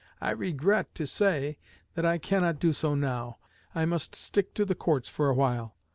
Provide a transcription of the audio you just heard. I regret to say that I cannot do so now. I must stick to the courts for awhile.